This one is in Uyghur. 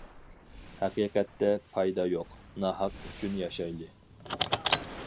ھەقىقەتتە پايدا يوق، ناھەق ئۈچۈن ياشايلى.